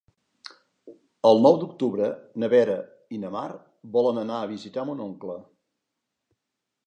El nou d'octubre na Vera i na Mar volen anar a visitar mon oncle.